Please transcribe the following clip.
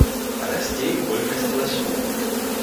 Расце і колькасць ласёў.